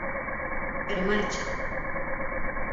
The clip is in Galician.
Pero marcha.